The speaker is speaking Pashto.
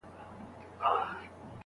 زما یې جهاني قلم د یار په نوم وهلی دی